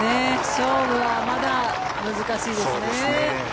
勝負はまだ難しいですね。